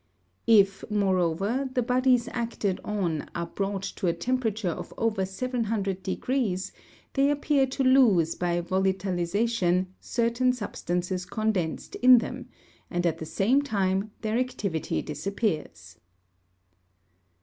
If, moreover, the bodies acted on are brought to a temperature of over 700°, they appear to lose by volatilisation certain substances condensed in them, and at the same time their activity disappears.